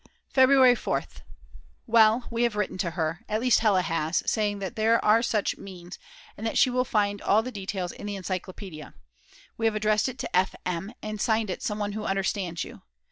February 4th. Well, we have written to her, at least Hella has, saying there are such means, and that she will find all the details in the encyclopedia. We have addressed it to F. M. and signed it "Someone who understands you."